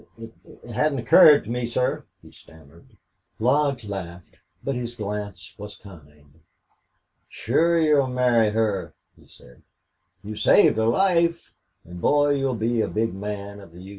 "It that hadn't occurred to me, sir," he stammered. Lodge laughed, but his glance was kind. "Sure you'll marry her," he said. "You saved her life. And, boy, you'll be a big man of the U.